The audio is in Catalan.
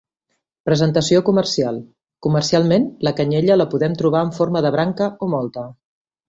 Presentació comercial: comercialment la canyella la podem trobar en forma de branca o molta.